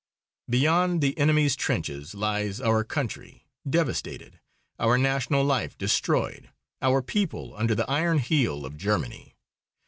"Beyond the enemy's trenches lies our country, devastated; our national life destroyed; our people under the iron heel of Germany.